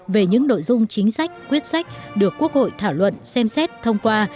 về những nội dung chính sách quyết sách được quốc hội thảo luận xem xét thông qua